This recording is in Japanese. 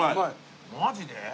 マジで？